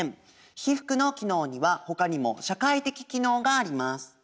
被服の機能には他にも社会的機能があります。